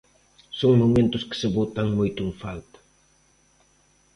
Son momentos que se botan moito en falta.